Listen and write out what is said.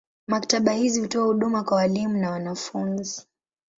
Maktaba hizi hutoa huduma kwa walimu na wanafunzi.